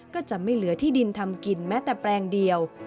ก็จะไม่เหลือที่ดินทำกินแม้แต่แปลงเดียว